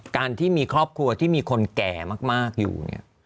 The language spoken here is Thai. การที่มีครอบครัวที่มีคนแก่มากอยู่เนี่ย